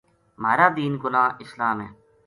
مہار دین کو ناں اسلام ہے۔